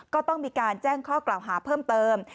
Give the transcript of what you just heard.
ก็ต้องมีการแจ้งข้อกล่าวหาเพิ่มเติม